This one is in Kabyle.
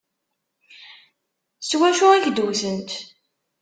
S wacu i k-d-wtent?